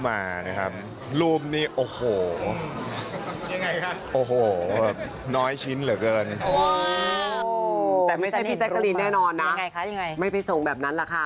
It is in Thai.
เอาเต็มเลยล่ะครับ